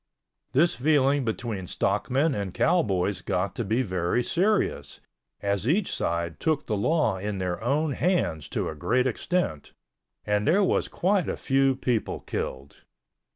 This feeling between stockmen and cowboys got to be very serious, as each side took the law in their own hands to a great extent, and there was quite a few people killed.